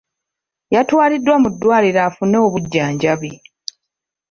Yatwaliddwa mu ddwaliro afune obujjanjabi.